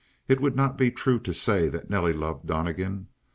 It would not be true to say that Nelly loved Donnegan.